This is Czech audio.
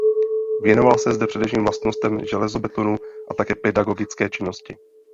Věnoval se zde především vlastnostem železobetonu a také pedagogické činnosti.